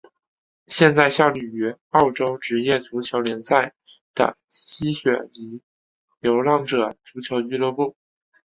现在效力于澳洲职业足球联赛的西雪梨流浪者足球俱乐部。